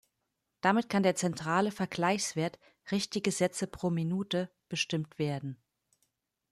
Damit kann der zentrale Vergleichswert „richtige Sätze pro Minute“ bestimmt werden.